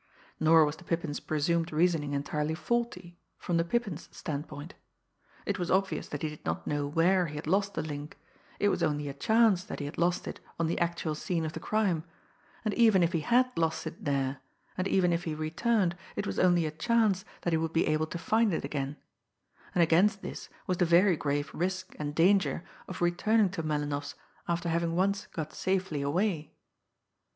Nor was the Pippin's presumed reasoning entirely faulty from the Pippin's standpoint. It was obvious that he did not know where he had lost the link; it was only a chance that he had lost it on the actual scene of the crime; and even if he had lost it there, and even if he returned, it was only a chance that he would be able to find it again and against this was the very grave risk and danger of returning to Melinoff's after having once got safely away.